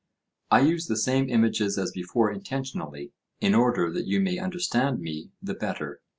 I use the same images as before intentionally, in order that you may understand me the better.